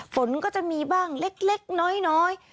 ฝนก็จะมีบ้างเล็กน้อย